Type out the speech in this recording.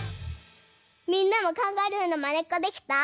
みんなもカンガルーのまねっこできた？